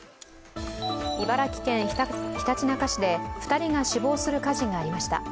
茨城県ひたちなか市で２人が死亡する火事がありました。